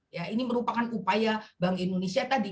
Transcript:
ya ini merupakan upaya bank indonesia tadi